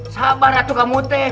sabar ratu kamute